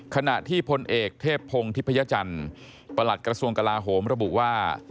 ขณะที่พลเอกเทพพงศ์ทิพยจันทร์ประหลัดกระทรวงกลาโหมระบุว่า